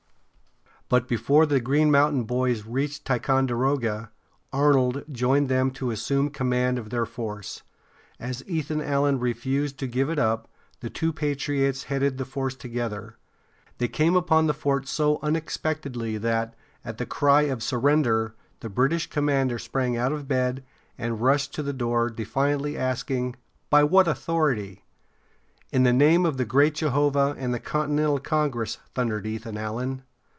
But before the Green Mountain Boys reached Ticonderoga, Arnold joined them to assume command of their force. As Ethan Allen refused to give it up, the two patriots headed the force together. They came upon the fort so unexpectedly that, at the cry of "Surrender!" the British commander sprang out of bed and rushed to the door, defiantly asking, "By what authority?" "In the name of the great Jehovah and the Continental Congress!" thundered Ethan Allen.